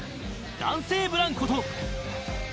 男性ブランコと